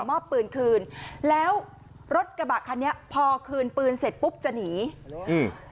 มอบปืนคืนแล้วรถกระบะคันนี้พอคืนปืนเสร็จปุ๊บจะหนีอืม